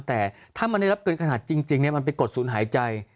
แต่ถ้ามันได้รับเกินขนาดจริงมันเป็นกฎศูนย์หายใจ